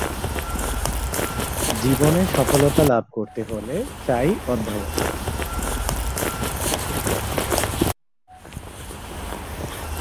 জীবনে সফলতা লাভ করতে হলে চাই অধ্যবসায়।